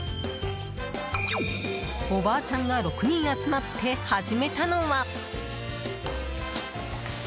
おばあちゃんが６人集まって始めたのは。